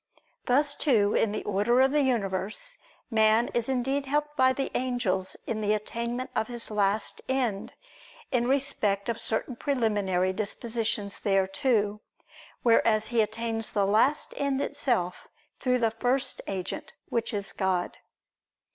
Thus, too, in the order of the universe, man is indeed helped by the angels in the attainment of his last end, in respect of certain preliminary dispositions thereto: whereas he attains the last end itself through the First Agent, which is God.